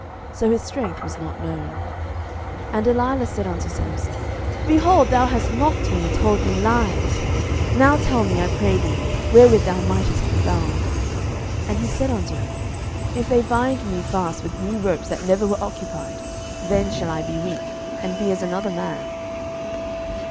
So his strength was not known. 07:016:010 And Delilah said unto Samson, Behold, thou hast mocked me, and told me lies: now tell me, I pray thee, wherewith thou mightest be bound. 07:016:011 And he said unto her, If they bind me fast with new ropes that never were occupied, then shall I be weak, and be as another man.